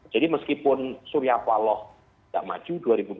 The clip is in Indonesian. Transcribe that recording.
jadi meskipun surya paloh tidak maju dua ribu dua puluh empat